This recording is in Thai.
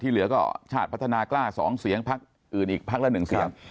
เหลือก็ชาติพัฒนากล้า๒เสียงพักอื่นอีกพักละ๑เสียง